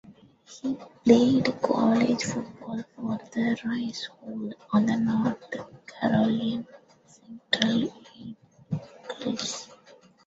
He played college football for the Rice Owls and the North Carolina Central Eagles.